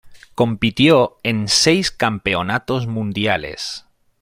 Compitió en seis campeonatos mundiales.